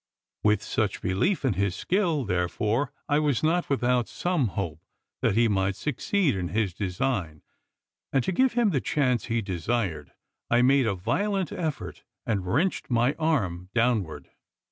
With such belief in his skill, therefore, I was not without some hope that he might succeed in his design; and, to give him the chance he desired, I made a violent effort, and wrenched my arm downward.